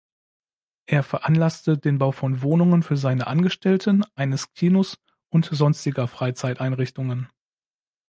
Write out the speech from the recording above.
Er veranlasste den Bau von Wohnungen für seine Angestellten, eines Kinos und sonstiger Freizeiteinrichtungen.